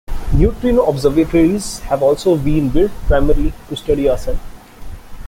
Neutrino observatories have also been built, primarily to study our Sun.